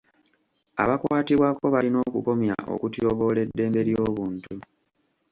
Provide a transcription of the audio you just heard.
Abakwatibwako balina okukomya okutyoboola eddembe ly’obuntu.